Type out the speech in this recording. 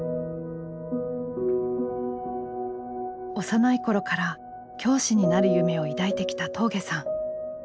幼い頃から教師になる夢を抱いてきた峠さん。